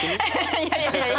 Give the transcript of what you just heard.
いやいやいや！